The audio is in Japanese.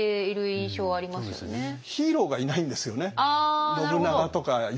ヒーローがいないんですよね。